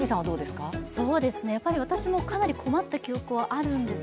私もかなり困った記憶はあるんです。